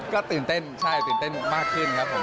ก็ตื่นเต้นใช่ตื่นเต้นมากขึ้นครับผม